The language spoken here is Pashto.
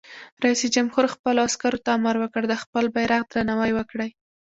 رئیس جمهور خپلو عسکرو ته امر وکړ؛ د خپل بیرغ درناوی وکړئ!